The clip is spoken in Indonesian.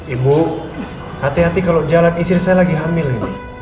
ibu hati hati kalau jalan istri saya lagi hamil ini